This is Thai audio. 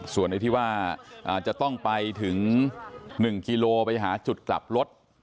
ส่วนไอ้ที่ว่าจะต้องไปถึง๑กิโลไปหาจุดกลับรถ